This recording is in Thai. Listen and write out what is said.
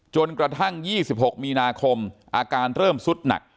จนกระทั่ง๒๖มีนาคมอาการเริ่มสุดหนัก